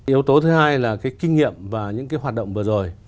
yếu tố thứ hai là cái kinh nghiệm và những cái hoạt động vừa rồi